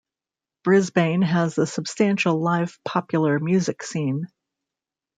Brisbane has a substantial live popular music scene.